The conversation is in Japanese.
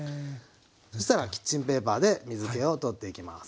そしたらキッチンペーパーで水けを取っていきます。